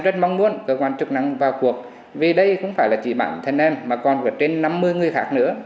rất mong muốn cơ quan chức năng vào cuộc vì đây không phải là chỉ bản thân em mà còn có trên năm mươi người khác nữa